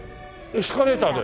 エスカレーターで？